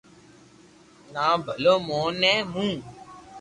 تو ڀلو مون نو مون